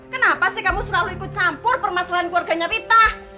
kenapa sih kamu selalu ikut campur permasalahan keluarganya pita